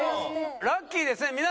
ラッキーですね。